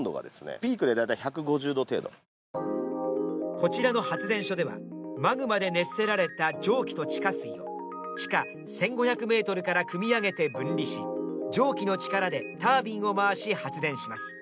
こちらの発電所ではマグマで熱せられた蒸気と地下水を地下１５００ｍからくみ上げて分離し、蒸気の力でタービンを回し発電します。